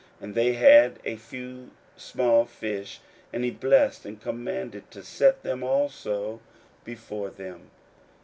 41:008:007 And they had a few small fishes: and he blessed, and commanded to set them also before them.